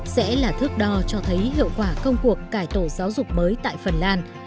sẽ là thước đo cho thấy hiệu quả công cuộc cải tổ giáo dục mới tại phần lan